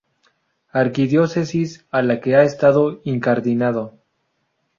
Arquidiócesis a la que ha estado incardinado.